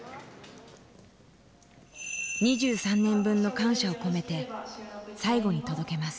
２３年分の感謝を込めて最後に届けます。